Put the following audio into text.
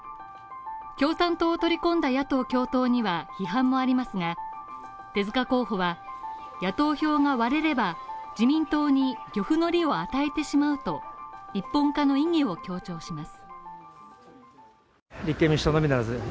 共産党を取り込んだ野党共闘には批判もありますが手塚候補は野党票が割れれば、自民党に漁夫の利を与えてしまうと、１本化の意義を強調します。